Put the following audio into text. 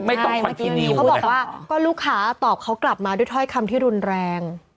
เมื่อกี้เขาบอกว่าก็ลูกค้าตอบเขากลับมาด้วยถ้อยคำที่รุนแรง